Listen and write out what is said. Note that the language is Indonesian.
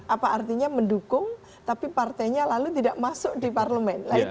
apa artinya mendukung tapi partainya lalu tidak masuk di parlemen